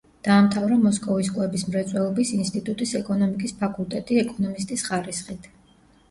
დაამთავრა მოსკოვის კვების მრეწველობის ინსტიტუტის ეკონომიკის ფაკულტეტი ეკონომისტის ხარისხით.